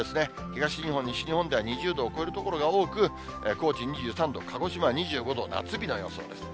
東日本、西日本では２０度を超える所が多く、高知２３度、鹿児島２５度、夏日の予想です。